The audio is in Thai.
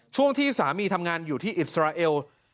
ช่วงที่สามีทำงานอยู่ที่อิสราเอล